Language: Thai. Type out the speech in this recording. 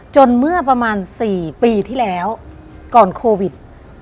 เมื่อประมาณ๔ปีที่แล้วก่อนโควิด